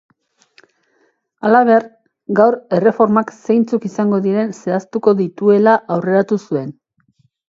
Halaber, gaur erreformak zeintzuk izango diren zehaztuko dituela aurreratu zuen.